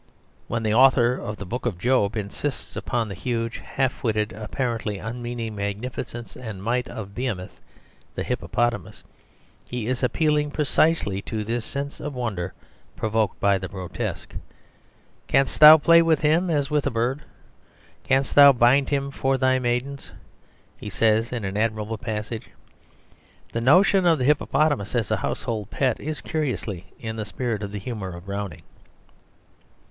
When the author of the Book of Job insists upon the huge, half witted, apparently unmeaning magnificence and might of Behemoth, the hippopotamus, he is appealing precisely to this sense of wonder provoked by the grotesque. "Canst thou play with him as with a bird, canst thou bind him for thy maidens?" he says in an admirable passage. The notion of the hippopotamus as a household pet is curiously in the spirit of the humour of Browning.